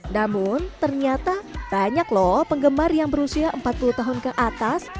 namun ternyata banyak loh penggemar yang berusia empat puluh tahun ke atas